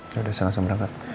yaudah saya langsung berangkat